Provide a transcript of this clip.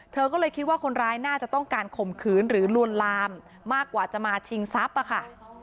เธอก็เลยคิดว่าคนร้ายน่าจะต้องการข่มขืนหรือลวนลามมากกว่าจะมาชิงทรัพย์อะค่ะ